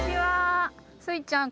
スイちゃん